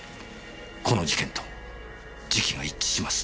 この事件と時期が一致します。